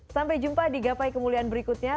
sampai jumpa di gapai kemuliaan berikutnya